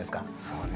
そうねえ。